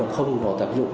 không có tác dụng